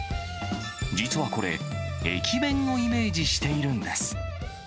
実はこれ、駅弁をイメージしているんです。